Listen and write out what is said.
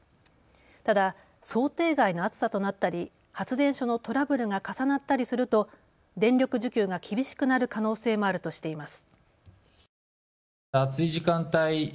ただ想定外の暑さとなったり発電所のトラブルが重なったりすると電力需給が厳しくなる可能性もあるとしています。